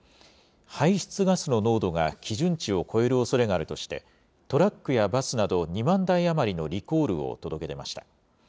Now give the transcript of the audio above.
排出ガスの濃度が基準値を超えるおそれがあるとして、トラックやバスなど２万台余りのリコールを届け出ました。